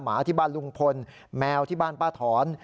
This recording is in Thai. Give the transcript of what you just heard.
หมาที่บ้านลุงพลแมวที่บ้านป้าถอน